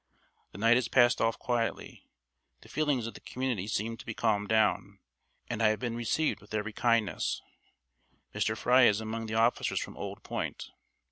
The night has passed off quietly. The feelings of the community seemed to be calmed down, and I have been received with every kindness. Mr. Fry is among the officers from Old Point.